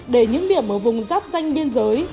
để những điểm ở vùng giáp danh biên giới